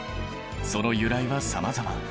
その由来はさまざま。